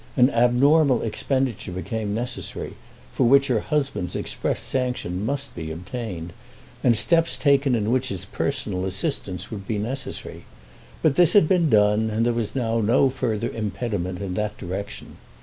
An abnormal expenditure became necessary, for which her husband's express sanction must be obtained, and steps taken in which his personal assistance would be necessary; but this had been done, and there was now no further impediment in that direction.